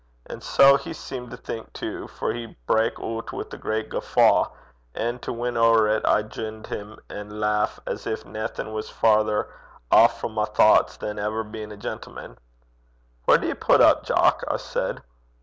And sae he seemed to think, too, for he brak oot wi' a great guffaw; an' to win ower 't, I jined, an' leuch as gin naething was farrer aff frae my thochts than ever bein' a gentleman. "Whaur do ye pit up, Jock?" I said.